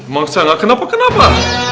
maksudnya gak kenapa kenapa